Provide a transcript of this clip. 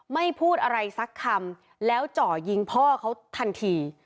ไม่พูดอะไรสักคำแล้วเจาะยิงพ่อเขาทันที